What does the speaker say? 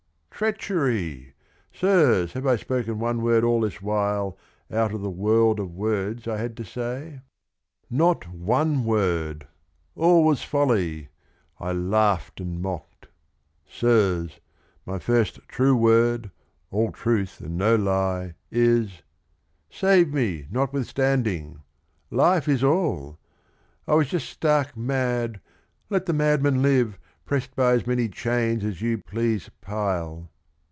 Treachery I Sirs, have I spoken one word all this while Out of the world of words I had to say? 192 THE RING AND THE BOOK Not one word 1 All was folly — I laughed and mocked ! Sirs, my first true word, all truth and no lie, Is — save me notwithstanding 1 Life is all I I was just stark mad, — let the madman live Pressed by as many chains as you please pile